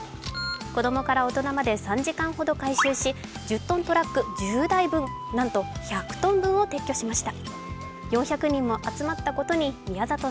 子供から大人まで３時間ほど回収し、１０ｔトラック１０台分、なんと１００ｔ分を撤去しました。